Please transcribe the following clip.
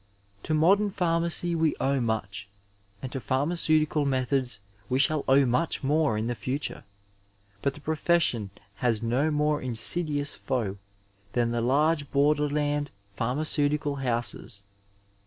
To modem pharmacy we owe much, and to pharmaceutical methods we shall owe much more in the future, but the profession has no more insidious foe than the large borderland pharmaceutical houses.